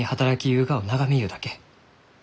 ゆうがを眺めゆうだけ。